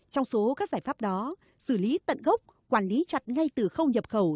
trong số các giải pháp đó xử lý tận gốc quản lý chặt ngay từ khâu nhập khẩu